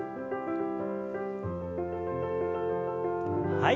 はい。